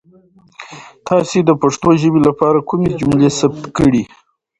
تاسو د پښتو ژبې لپاره کومې جملې ثبت کړي؟